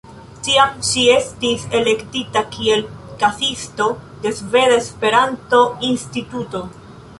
Tiam ŝi estis elektita kiel kasisto de Sveda Esperanto-Instituto.